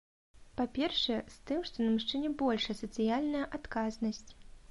Па-першае, з тым, што на мужчыне большая сацыяльная адказнасць.